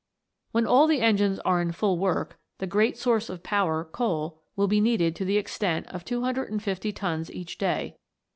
When all the engines are in full work, the great source of power, coal, will be needed to the extent of 250 tons each day.